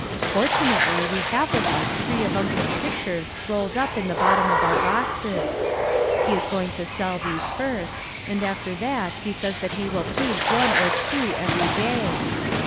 Fortunately we have with us three of Uncle's pictures rolled up in the bottom of our boxes. He is going to sell these first and after that he says that he will paint one or two every day.